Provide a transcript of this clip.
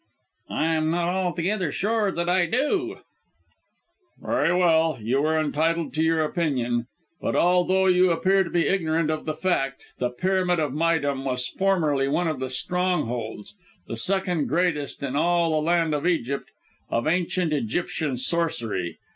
"I am not altogether sure that I do " "Very well; you are entitled to your opinion. But although you appear to be ignorant of the fact, the Pyramid of Méydûm was formerly one of the strong holds the second greatest in all the land of the Nile of Ancient Egyptian sorcery!